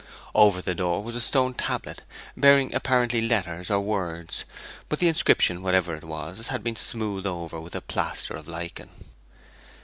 Over the door was a stone tablet, bearing, apparently, letters or words; but the inscription, whatever it was, had been smoothed over with a plaster of lichen.